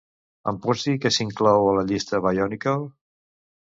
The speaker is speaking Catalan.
Em pots dir què s'inclou en la llista "Bionicle"?